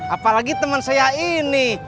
apalagi temen saya ini